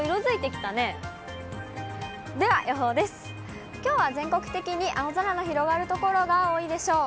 きょうは全国的に青空が広がる所が多いでしょう。